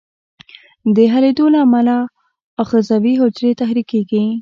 د حلېدو له امله آخذوي حجرې تحریکیږي.